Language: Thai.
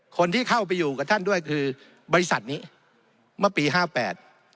คนที่เข้าไปอยู่กับท่านด้วยคือบริษัทนี้เมื่อปีห้าแปด